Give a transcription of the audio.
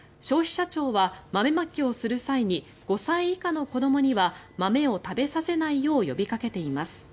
消費者庁は豆まきをする際に５歳以下の子どもには豆を食べさせないよう呼びかけています。